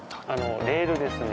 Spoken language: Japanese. レールですね